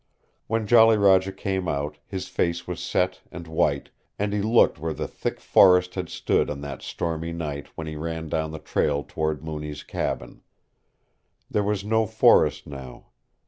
When Jolly Roger came out his face was set and white, and he looked where the thick forest had stood on that stormy night when he ran down the trail toward Mooney's cabin. There was no forest now.